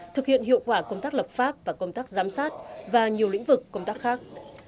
thực hiện hiệu quả công tác lập pháp và công tác giám sát và nhiều lĩnh vực công tác khác